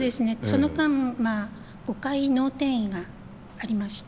その間５回脳転移がありまして。